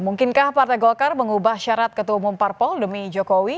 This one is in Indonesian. mungkinkah partai golkar mengubah syarat ketua umum parpol demi jokowi